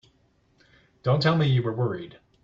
Don't tell me you were worried!